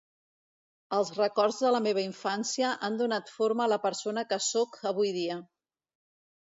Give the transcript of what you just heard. Els records de la meva infància han donat forma a la persona que sóc avui dia.